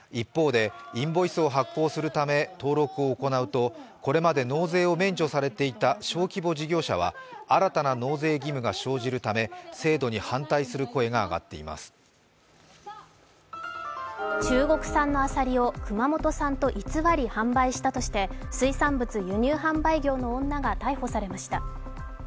一方で、インボイスを発行するため登録を行うとこれまで納税を免除されていた小規模事業者は新たな納税義務が生じるため、中国産のアサリを熊本産と偽り販売したとして水産物輸入販売業の女が逮捕されました。